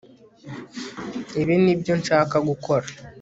Ibi nibyo nshaka gukora